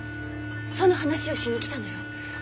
その話をしに来たのよ。